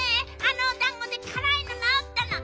あのおだんごでからいのなおったの。